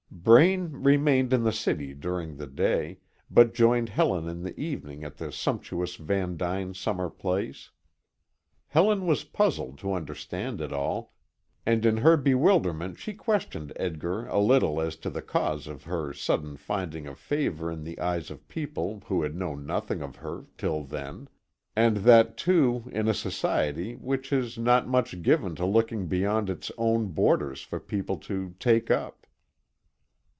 Braine remained in the city during the day, but joined Helen in the evening at the sumptuous Van Duyn summer place. Helen was puzzled to understand it all, and in her bewilderment she questioned Edgar a little as to the cause of her sudden finding of favor in the eyes of people who had known nothing of her till then, and that, too, in a society which is not much given to looking beyond its own borders for people to "take up."